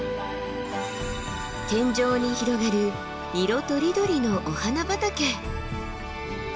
天上に広がる色とりどりのお花畑。